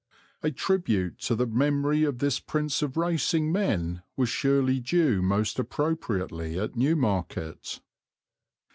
A tribute to the memory of this prince of racing men was surely due most appropriately at Newmarket.